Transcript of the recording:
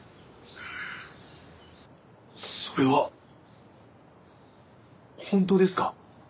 それは本当ですか？